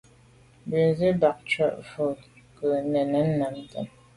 Bènzwi bat tshùa mfèn bo nke nèn ntàne.